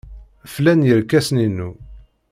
Flan yirkasen-inu.